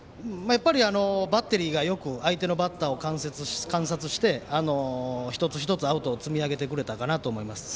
バッテリーがよく相手のバッターを観察して、一つ一つアウトを積み上げてくれたかなと思います。